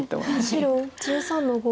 白１３の五。